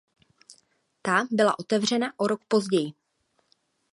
Ta byla otevřena o rok později.